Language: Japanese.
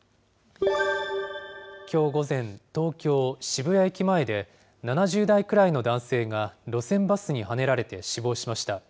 きょう午前、東京・渋谷駅前で、７０代くらいの男性が路線バスにはねられて死亡しました。